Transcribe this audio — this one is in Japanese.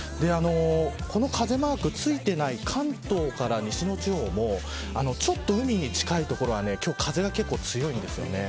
この風マークがついてない関東から西の地方もちょっと海に近い所は今日は風が結構強いんです。